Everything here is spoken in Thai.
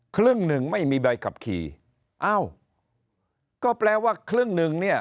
ครึ่งหนึ่งไม่มีใบขับขี่อ้าวก็แปลว่าครึ่งหนึ่งเนี่ย